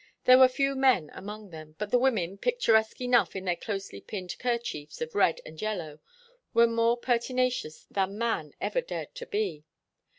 There were few men among them, but the women, picturesque enough in their closely pinned kerchiefs of red or yellow, were more pertinacious than man ever dared to be.